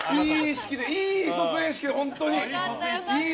いい卒園式で本当に。